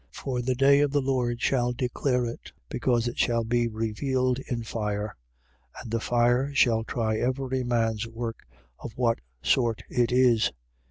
For the day of the Lord shall declare it, because it shall be revealed in fire. And the fire shall try every man's work, of what sort it is.